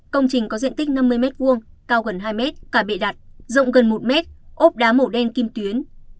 công trình có diện tích năm mươi m hai cao gần hai m cả bệ đặt rộng gần một m ốp đá màu đen kim tuyến